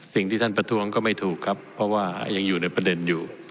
สิ่งที่ท่านประท้วงก็ไม่ถูกครับเพราะว่ายังอยู่ในประเด็นอยู่